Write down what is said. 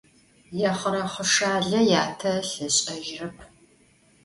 Yêxhırexhışşale yate ılh ış'ejırep.